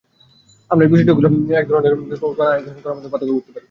আর এই বৈশিষ্ট্যগুলোই এক ধরনের কণা থেকে আরেক ধরনের কণার মধ্যে পার্থক্য তৈরি করে।